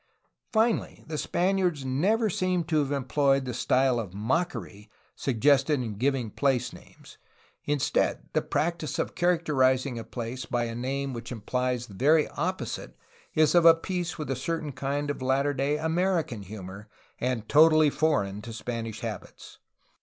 '' Finally, the Span iards never seem to have employed the style of mockery suggested in giving place names; indeed, the practice of characterizing a place by a name which implies the very opposite is of a piece with a certain kind of latter day American humor and totally foreign to Spanish habits.